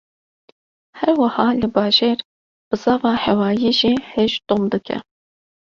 Her wiha li bajêr, bizava hewayî jî hêj dom dike